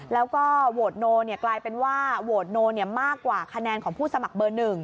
แล้วก็โหวตโนกลายเป็นว่าโหวตโนมากกว่าคะแนนของผู้สมัครเบอร์๑